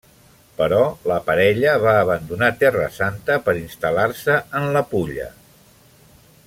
Però la parella va abandonar Terra Santa per instal·lar-se en la Pulla.